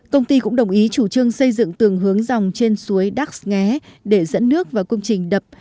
công ty cũng đồng ý chủ trương xây dựng tường hướng dòng trên suối đắc nghé để dẫn nước vào công trình đập